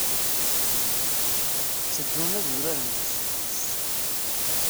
Tteddun ad uraren deg teftist.